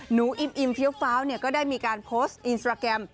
หนูอิมอิมเฟี้ยวฟ้าวเนี่ยก็ได้มีการโพสต์อินสตราแกรม